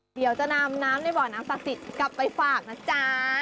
เดี๋ยวจะนำน้ำในบ่อน้ำศักดิ์สิทธิ์กลับไปฝากนะจ๊ะ